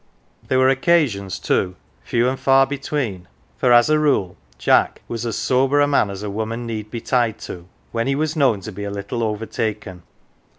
There were occa sions too few and far between, for as a rule Jack was " as sober a man as a woman need be tied to " when he was known to be a little " overtaken."